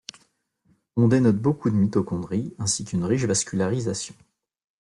On dénote beaucoup de mitochondries ainsi qu'une riche vascularisation.